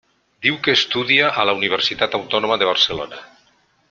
Diu que estudia a la Universitat Autònoma de Barcelona.